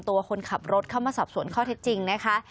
คนขับรถเข้ามาสอบสวนข้อเท็จจริงนะคะ